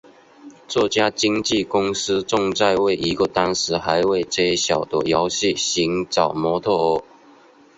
这家经纪公司正在为一个当时还未揭晓的游戏寻找模特儿。